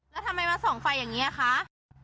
แล้วทำไมมาส่องไฟอย่างนี้คะ